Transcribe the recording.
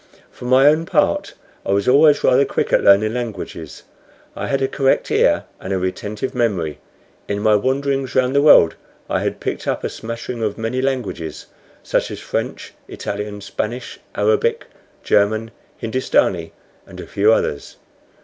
For my own part, I was always rather quick at learning languages. I had a correct ear and a retentive memory; in my wanderings round the world I had picked up a smattering of many languages, such as French, Italian, Spanish, Arabic, German, Hindoostanee, and a few others.